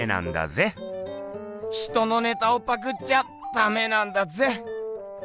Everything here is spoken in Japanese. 人のネタをパクっちゃダメなんだぜっ！